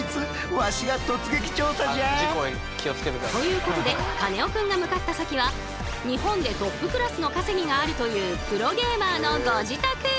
わしが突撃調査じゃ！ということでカネオくんが向かった先は日本でトップクラスの稼ぎがあるというプロゲーマーのご自宅！